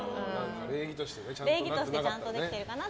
礼儀としてちゃんとできていないかなって。